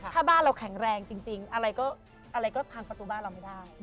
ถ้าบ้านเราแข็งแรงจริงอะไรก็อะไรก็พังประตูบ้านเราไม่ได้